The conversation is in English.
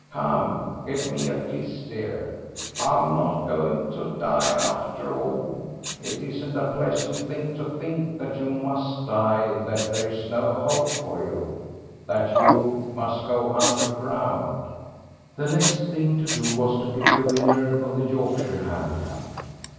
Come, give me a kiss, dear. I'm not going to die, after all. It isn't a pleasant thing to think that you must die, that there's no hope for you, that you must go under ground." The next thing to do was to pick the winner of the Yorkshire Handicap.